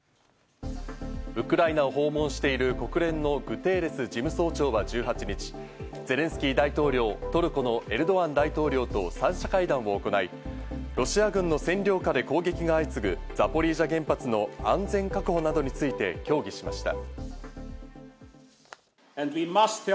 ウクライナを訪問している国連のグテーレス事務総長は１８日、ゼレンスキー大統領、トルコのエルドアン大統領と三者会談を行い、ロシア軍の占領下で攻撃が相次ぐザポリージャ原発の安全確保などについて協議しました。